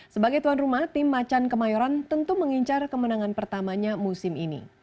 sebagai tuan rumah tim macan kemayoran tentu mengincar kemenangan pertamanya musim ini